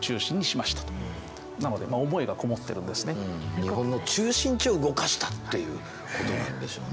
日本の中心地を動かしたということなんでしょうね。